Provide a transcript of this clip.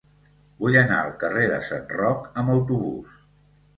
Vull anar al carrer de Sant Roc amb autobús.